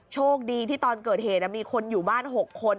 ช่วงดีที่ตอนเกิดเหตุนั้นมีคนอยู่บ้าน๖คน